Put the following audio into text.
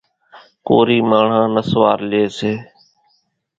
ڪورِي ماڻۿان نسوار ليئيَ سي۔